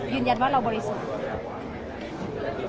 ยืนยันว่าเราบริสุทธิ์ค่ะ